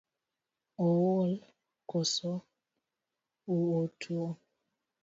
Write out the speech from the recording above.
Ool kose otuo?